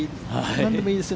何でもいいです。